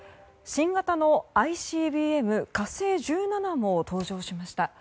新型のＩＣＢＭ、「火星１７」も登場しました。